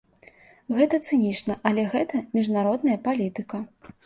Гэта цынічна, але гэта міжнародная палітыка.